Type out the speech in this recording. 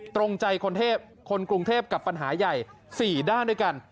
ตรงใจคนกรุงเทพกับปัญหาใหญ่๔ด้านด้วยกัน